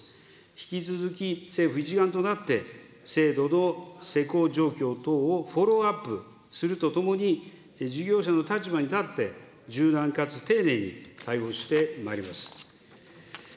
引き続き政府一丸となって、制度の施行状況等をフォローアップするとともに、事業者の立場に立って、柔軟かつ丁寧に対応してまいります。